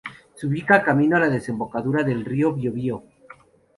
Se ubica camino a la desembocadura del río Biobío.